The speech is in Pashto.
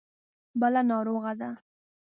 بله ناروغه ده.